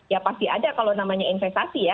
ya pasti ada kalau namanya investasi ya